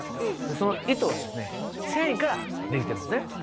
その糸は繊維からできてるんですね。